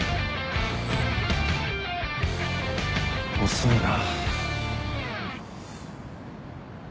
遅いな。